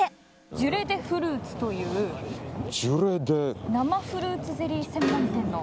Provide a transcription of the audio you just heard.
ジュレデフルーツという生フルーツゼリー専門店の。